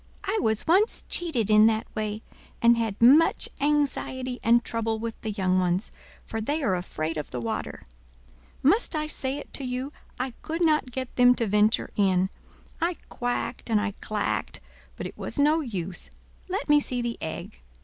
I was once cheated in that way, and had much anxiety and trouble with the young ones, for they are afraid of the water. Must I say it to you, I could not get them to venture in. I quacked and I clacked, but it was no use. Let me see the egg.